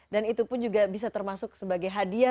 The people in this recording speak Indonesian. dan itu pun juga bisa termasuk sebagai hadiah